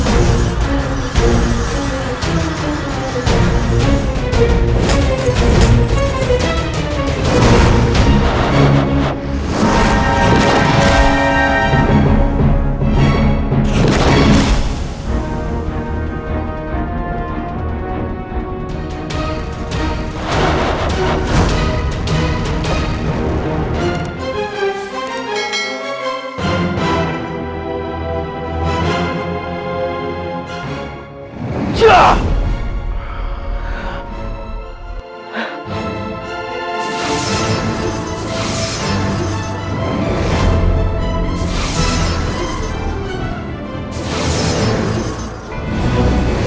aku harus membantu